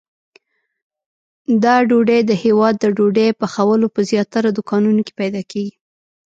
دا ډوډۍ د هیواد د ډوډۍ پخولو په زیاترو دوکانونو کې پیدا کېږي.